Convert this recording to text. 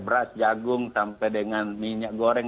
beras jagung sampai dengan minyak goreng